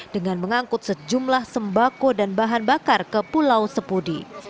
dengan mengangkut sejumlah sembako dan bahan bakar ke pulau sepudi